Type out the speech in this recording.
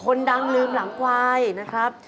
คนดังลืมหลังควายนะครับ